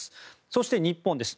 そして日本です。